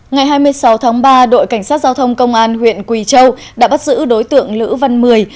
ngày hai mươi sáu tháng ba đội cảnh sát giao thông công an huyện quỳ châu đã bắt giữ đối tượng lữ văn mười